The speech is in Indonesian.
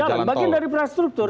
bagian dari infrastruktur